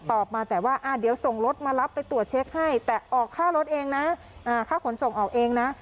ตอบมาแต่ว่าเดี๋ยวส่งรถมารับไปตรวจเช็คให้แต่ออกค่ารถเองนะค่าขนส่งออกเองนะ